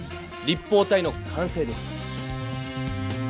立方体の完成です。